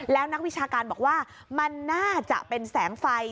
แล้วนักวิชาการบอกว่ามันน่าจะเป็นแสงไฟ